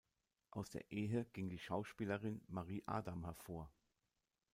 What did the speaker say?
Aus der Ehe ging die Schauspielerin Marie Adam hervor.